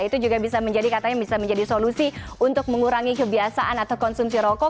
itu juga bisa menjadi katanya bisa menjadi solusi untuk mengurangi kebiasaan atau konsumsi rokok